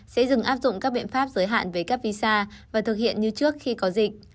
sẽ dừng áp dụng các biện pháp giới hạn về các visa và thực hiện như trước khi có dịch